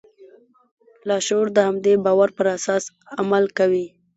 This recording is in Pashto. لاشعور د همدې باور پر اساس عمل کوي